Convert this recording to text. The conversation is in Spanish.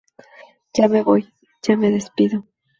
Ya me voy, ya me despido.